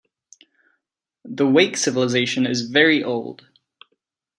The Wake civilization is very old.